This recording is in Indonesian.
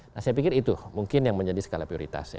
nah saya pikir itu mungkin yang menjadi skala prioritas ya